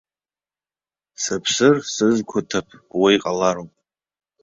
Сыԥсыр, сызқәаҭыԥ уа иҟалароуп.